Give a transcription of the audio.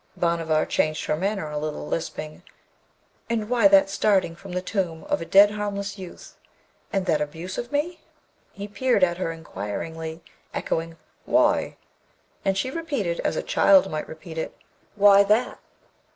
Bhanavar changed her manner a little, lisping, 'And why that starting from the tomb of a dead harmless youth? And that abuse of me?' He peered at her inquiringly, echoing 'Why?' And she repeated, as a child might repeat it, 'Why that?'